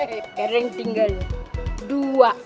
sekarang tinggal dua